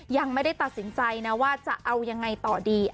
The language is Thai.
ยังไม่ได้ตัดสินใจนะว่าจะเอายังไงต่อดี